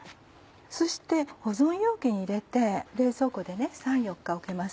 そして保存容器に入れて冷蔵庫で３４日おけます。